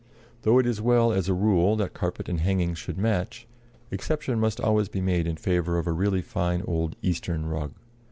Though it is well, as a rule, that carpet and hangings should match, exception must always be made in favor of a really fine old Eastern rug.